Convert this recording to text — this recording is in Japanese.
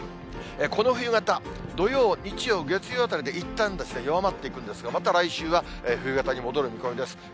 この冬型、土曜、日曜、月曜あたりでいったん弱まっていくんですが、また来週は冬型に戻る見込みです。